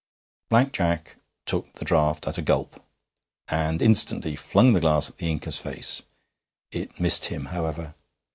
Black Jack took the draught at a gulp, and instantly flung the glass at the Inca's face. It missed him, however.